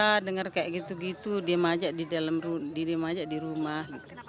gak usah dengar kayak gitu gitu diam aja di dalam rumah